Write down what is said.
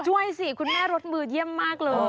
สิคุณแม่รสมือเยี่ยมมากเลย